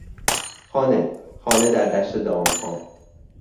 خانه، خانه در دشت دامها...